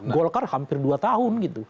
golkar hampir dua tahun gitu